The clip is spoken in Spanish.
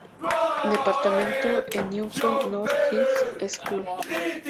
Departamento en Newton North High School.